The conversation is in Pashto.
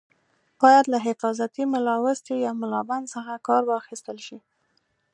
باید له حفاظتي ملاوستي یا ملابند څخه کار واخیستل شي.